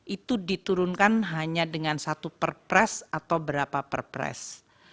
itu diturunkan hanya dengan satu perpres atau berapa perpres